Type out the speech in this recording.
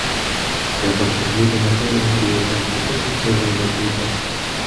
Треба, щоб люди не пили горілки, то тоді цього й не буде.